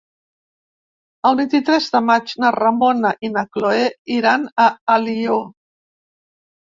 El vint-i-tres de maig na Ramona i na Cloè iran a Alió.